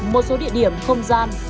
một số địa điểm không gian